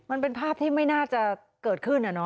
มันเป็นภาพที่ไม่น่าจะเกิดขึ้น